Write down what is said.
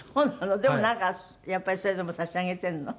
でもなんかやっぱりそれでも差し上げているの？